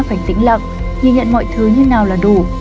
phải tĩnh lặng nhìn nhận mọi thứ như nào là đủ